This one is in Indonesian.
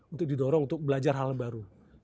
untuk didorong untuk belajar hal baru